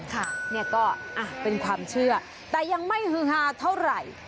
ค่ะเนี่ยก็เป็นความเชื่อแต่ยังไม่ฮือฮาเท่าไหร่